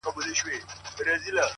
گراني په دې ياغي سيتار راته خبري کوه.